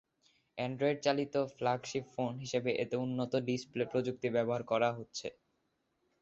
অ্যান্ড্রয়েডচালিত flagship phone হিসেবে এতে উন্নত ডিসপ্লে প্রযুক্তি ব্যবহার করা হচ্ছে।